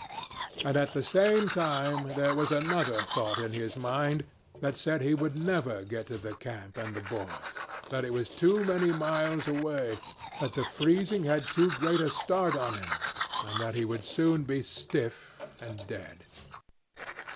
And at the same time there was another thought in his mind that said he would never get to the camp and the boys; that it was too many miles away, that the freezing had too great a start on him, and that he would soon be stiff and dead.